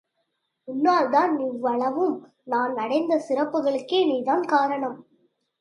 உன்னால் தான் இவ்வளவும் நான் அடைந்த சிறப்புகளுக்கே நீ தான் காரணம்.